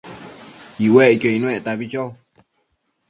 iuecquio icnuectabi cho